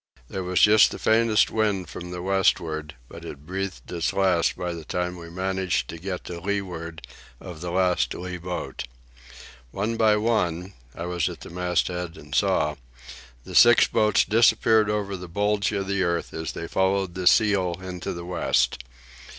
There was just the faintest wind from the westward; but it breathed its last by the time we managed to get to leeward of the last lee boat. One by one—I was at the masthead and saw—the six boats disappeared over the bulge of the earth as they followed the seal into the west.